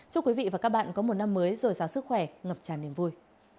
chúc quý vị và các bạn có một năm mới rồi giáo sức khỏe ngập tràn niềm vui